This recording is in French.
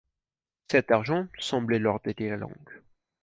Cet argent semblait leur délier la langue.